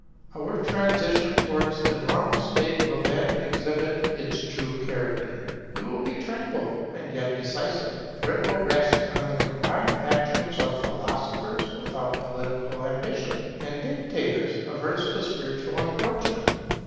Our transition towards the normal state will then exhibit its true character. It will be tranquil and yet decisive; for it will rest on the combined action of philosophers without political ambition, and dictators adverse to spiritual encroachment.